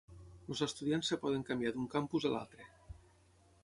Els estudiants es poden canviar d'un campus a l'altre.